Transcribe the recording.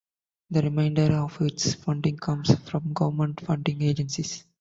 The remainder of its funding comes from government funding agencies.